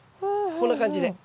こんな感じで。